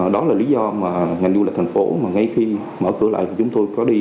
đó là lý do mà ngành du lịch thành phố mà ngay khi mở cửa lại thì chúng tôi có đi